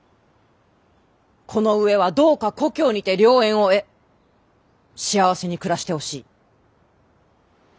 この上はどうか故郷にて良縁を得幸せに暮らしてほしい。